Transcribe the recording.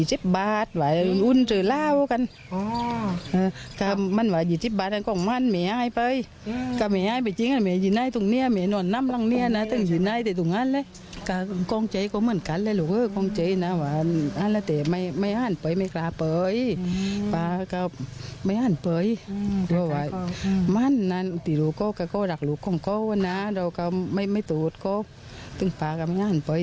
หลักลูกของเขานะเราไม่ตูดของเขาต้องฝากรรมงานไปเดียว